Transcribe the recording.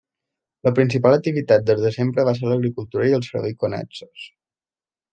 La principal activitat des de sempre va ser l'agricultura i els serveis connexos.